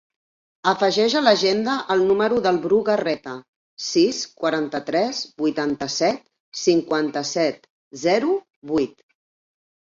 Afegeix a l'agenda el número del Bru Garreta: sis, quaranta-tres, vuitanta-set, cinquanta-set, zero, vuit.